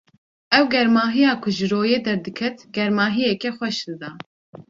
Ew germahiya ku ji royê derdiket, germahiyeke xweş dida.